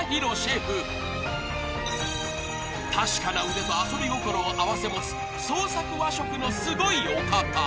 ［確かな腕と遊び心を併せ持つ創作和食のすごいお方］